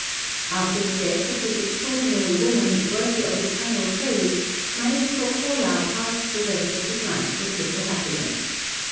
After the death of this extraordinary woman, worthy of eternal praise, Maestro Cola passed the rest of his life with little happiness.